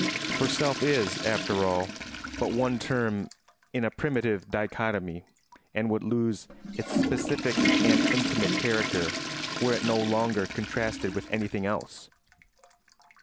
For self is, after all, but one term in a primitive dichotomy and would lose its specific and intimate character were it no longer contrasted with anything else.